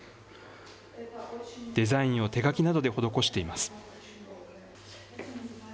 デザインを手描きなどで施しています。